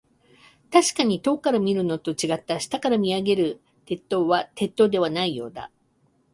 確かに遠くから見るのと、違った。下から見上げる鉄塔は、鉄塔ではないようだ。